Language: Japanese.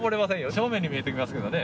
正面に見えてきますけどね。